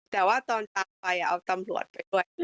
แต่ว่าตอนตามไปเอาตำรวจไปด้วย